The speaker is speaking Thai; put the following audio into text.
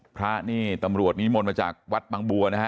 พระนี่ตำรวจนิมนต์มาจากวัดบางบัวนะฮะ